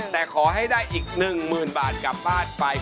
แต่ขอให้ได้อีก๑๐๐๐บาทกลับบ้านไป